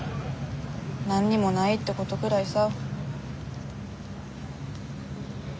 何にもないってことくらいさ。